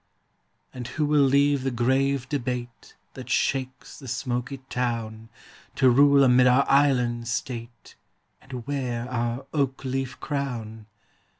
And who will leave the grave debate That shakes the smoky town, To rule amid our island state, And wear our oak leaf crown?